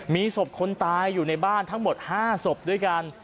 มีศพคนตายอยู่ในบ้านทั้งหมด๕ศพด้วยกัน